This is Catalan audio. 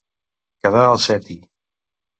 Quedar al seti.